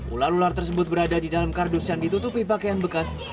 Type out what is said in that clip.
ular ular tersebut berada di dalam kardus yang ditutupi pakaian bekas